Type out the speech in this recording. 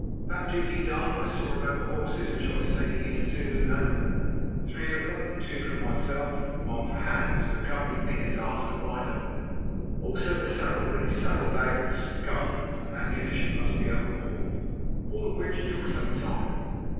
That duty done, I saw about the horses which I was taking into Zululand, three of them, two for myself and one for Hans, who accompanied me as after rider. Also the saddlery, saddle bags, guns and ammunition must be overhauled, all of which took some time.